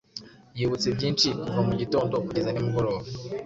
Yibutse byinshi Kuva mu gitondo kugeza nimugoroba